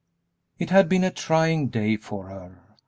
It had been a trying day for her.